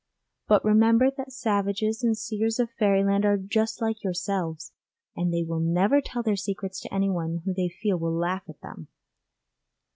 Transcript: But remember that savages and seers of fairyland are just like yourselves, and they will never tell their secrets to anyone who they feel will laugh at them.